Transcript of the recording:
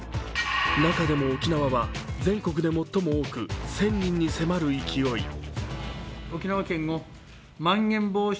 中でも沖縄は全国で最も多く１０００人に迫る勢い。